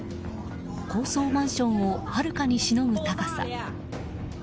高層マンションをはるかにしのぐ高さ。